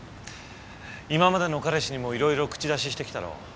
今までの彼氏にも色々口出ししてきたろ？